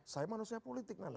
saya manusia politik nanda